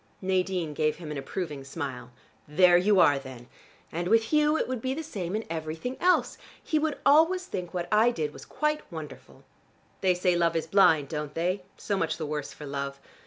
Nadine gave him an approving smile. "There you are then! And with Hugh it would be the same in everything else. He would always think what I did was quite wonderful. They say love is blind, don't they? So much the worse for love.